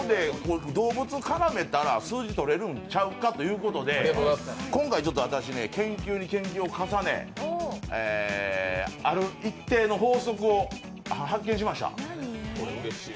動物絡めたら数字がとれるんちゃうかっていうことで今回私、研究に研究を重ね、ある一定の法則を発見しました。